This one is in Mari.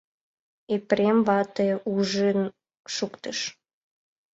Епрем вате ужын шуктыш.